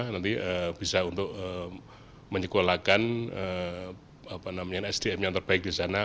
nanti bisa untuk menyekolahkan sdm yang terbaik di sana